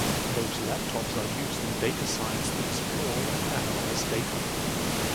Those laptops are used in data science to explore and analyze data.